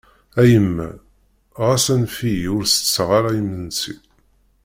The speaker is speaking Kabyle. A yemma xas anef-iyi! Ur tettaɣ ara imensi.